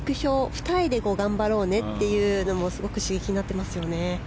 ２人で頑張ろうねっていうのもすごく刺激になっていますよね。